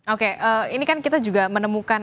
oke ini kan kita juga menemukan